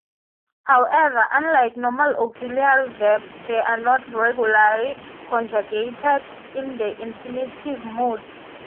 However, unlike normal auxiliary verbs, they are not regularly conjugated in the infinitive mood.